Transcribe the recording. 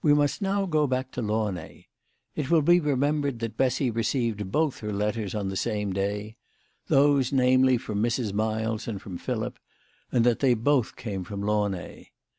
must now go back to Launay. It will be remem bered that Bessy received both her letters on the same day those namely from Mrs. Miles and from Philip and that they both came from Launay.